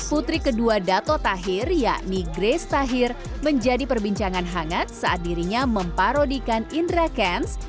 putri kedua dato tahir yakni grace tahir menjadi perbincangan hangat saat dirinya memparodikan indra kents